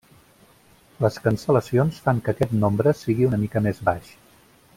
Les cancel·lacions fan que aquest nombre sigui una mica més baix.